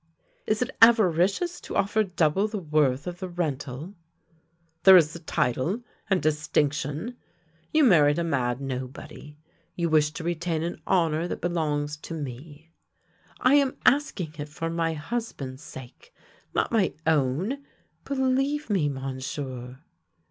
" Is it avaricious to offer double the worth of the rental?" " There is the title and distinction. You married a mad nobody; you wish to retain an honour that belongs to me." " I am asking it for my husband's sake, not my own, believe me, Monsieur."